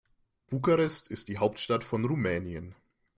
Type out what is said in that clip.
Bukarest ist die Hauptstadt von Rumänien.